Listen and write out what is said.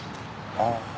ああ。